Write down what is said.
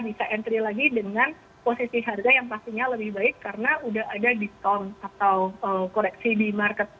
bisa entry lagi dengan posisi harga yang pastinya lebih baik karena udah ada diskon atau koreksi di market